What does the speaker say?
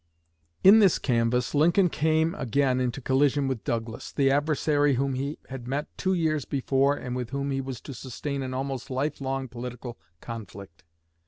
In this canvass Lincoln came again into collision with Douglas, the adversary whom he had met two years before and with whom he was to sustain an almost life long political conflict.